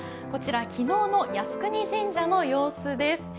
こちら昨日の靖国神社の様子です。